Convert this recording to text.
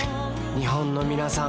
日本のみなさん